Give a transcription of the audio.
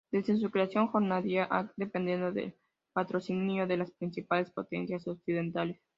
Desde su creación, Jordania ha dependido del patrocinio de las principales potencias occidentales.